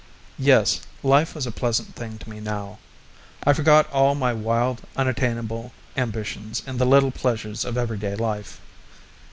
Yes, life was a pleasant thing to me now. I forgot all my wild unattainable ambitions in the little pleasures of everyday life.